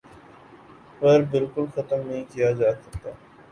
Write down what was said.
پر بالکل ختم نہیں کیا جاسکتا